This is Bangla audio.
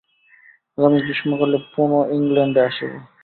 আগামী গ্রীষ্মকালে পুন ইংলণ্ডে আসিব।